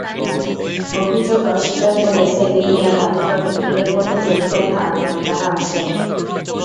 অভিযোগ অস্বীকার করে সেলিম মিয়া দাবি করেন, বিরোধপূর্ণ জমিতে তাঁর মালিকানা আছে।